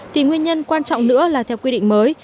thì nguyên nhân quan trọng nữa là theo quy định mới